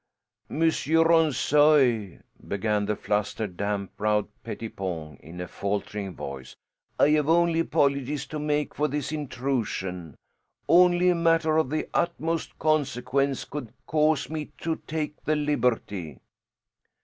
"Monsieur Ronssoy," began the flustered, damp browed Pettipon in a faltering voice, "I have only apologies to make for this intrusion. Only a matter of the utmost consequence could cause me to take the liberty."